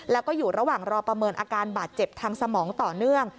แล้วก็อยู่ระหว่างรอประเมินอาการบาดเจ็บทางสมองต่อเนื่อง